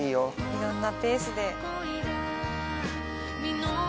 いろんなペースで。